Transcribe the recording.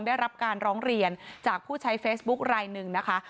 ได้รับการร้องเรียนจากผู้ใช้เฟซบุ๊คลายหนึ่งนะคะ